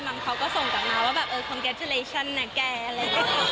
มันเขาก็ส่งกลับมาว่าแบบเออขอบคุณนะแกอะไรแบบนี้